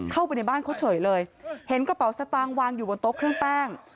เข้าไปในบ้านเขาเฉยเลยเห็นกระเป๋าสตางค์วางอยู่บนโต๊ะเครื่องแป้ง